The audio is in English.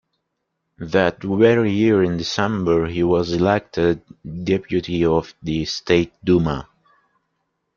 That very year in December, he was elected deputy of the State Duma.